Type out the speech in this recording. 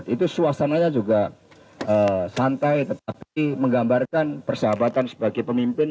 itu suasananya juga santai tetapi menggambarkan persahabatan sebagai pemimpin